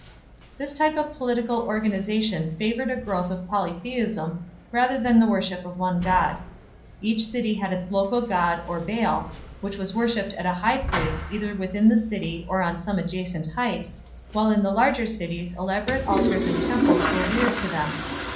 This type of political organization favored the growth of polytheism rather than the worship of one god. Each city had its local god or baal, which was worshipped at a high place either within the city or on some adjacent height, while in the larger cities elaborate altars and temples were reared to them.